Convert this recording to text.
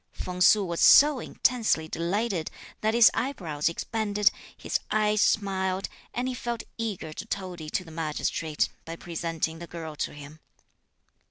Feng Su was so intensely delighted that his eyebrows expanded, his eyes smiled, and he felt eager to toady to the Magistrate (by presenting the girl to him).